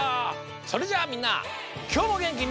それじゃあみんなきょうもげんきに。